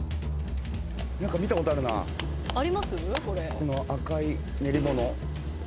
この赤い練り物。